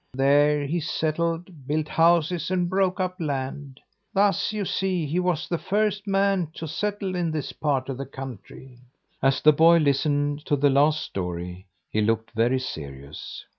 There he settled, built houses and broke up land. Thus, you see, he was the first man to settle in this part of the country." As the boy listened to the last story, he looked very serious.